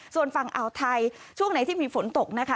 ส่วนฝั่งอ่าวไทยช่วงไหนที่มีฝนตกนะคะ